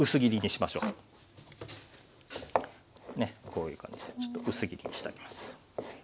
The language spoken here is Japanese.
こういう感じでちょっと薄切りにしてあげます。